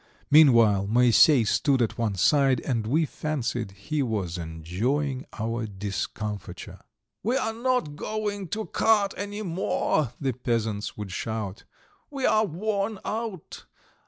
Meanwhile Moisey stood at one side, and we fancied he was enjoying our discomfiture. "We are not going to cart any more," the peasants would shout. "We are worn out!